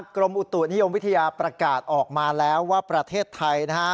กรมอุตุนิยมวิทยาประกาศออกมาแล้วว่าประเทศไทยนะฮะ